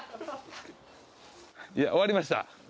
いや終わりました。